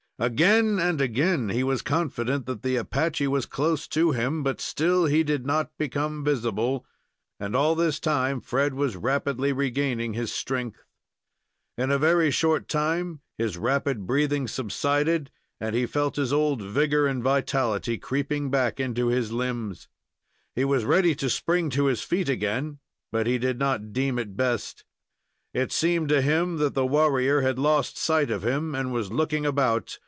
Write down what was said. Again and again he was confident that the Apache was close to him, but still he did not become visible, and all this time Fred was rapidly regaining his strength. In a very short time his rapid breathing subsided, and he felt his old vigor and vitality creeping back into his limbs. He was ready to spring to his feet again, but he did not deem it best. It seemed to him that the warrior had lost sight of him, and was looking about.